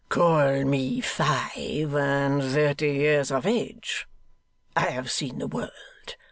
'Call me five and thirty years of age. I have seen the world.